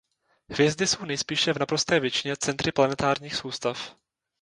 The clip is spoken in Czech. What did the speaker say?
Hvězdy jsou nejspíše v naprosté většině centry planetárních soustav.